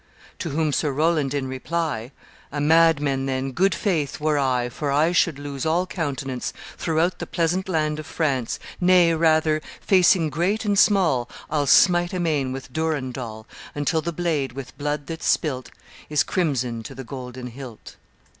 "To whom Sir Roland in reply: 'A madman, then, good faith, were I For I should lose all countenance Throughout the pleasant land of France Nay, rather, facing great and small, I'll smite amain with Durandal, Until the blade, with blood that's spilt, Is crimson to the golden hilt.